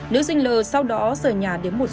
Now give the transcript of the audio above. nữ sinh l sau đó giờ nhà đến một